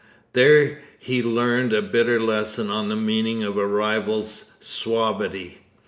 There he learned a bitter lesson on the meaning of a rival's suavity.